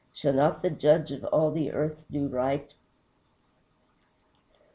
Shall not the Judge of all the earth do right?"